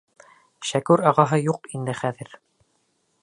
Шәкүр ағаһы юҡ инде хәҙер.